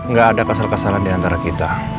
gak ada kesel keselan diantara kita